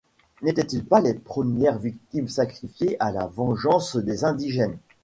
N’étaient-ils pas les premières victimes sacrifiées à la vengeance des indigènes?